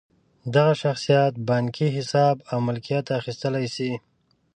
دغه شخصیت بانکي حساب او ملکیت اخیستلی شي.